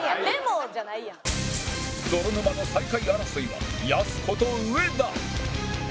泥沼の最下位争いはやす子と植田